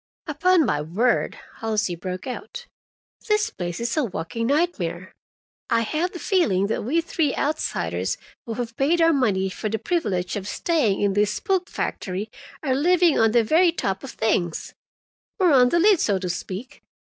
"Upon my word," Halsey broke out, "this place is a walking nightmare. I have the feeling that we three outsiders who have paid our money for the privilege of staying in this spook factory, are living on the very top of things. We're on the lid, so to speak.